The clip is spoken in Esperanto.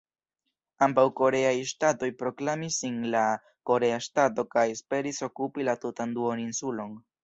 Ambaŭ koreaj ŝtatoj proklamis sin "la" korea ŝtato kaj esperis okupi la tutan duoninsulon.